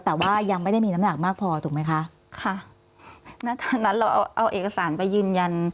แต่ว่ายังไม่ได้มีน้ำหนักมากพอถูกไหมคะค่ะณตอนนั้นเราเอาเอาเอกสารไปยืนยัน